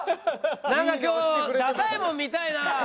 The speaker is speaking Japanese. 「なんか今日ダサいもの見たいなあ」。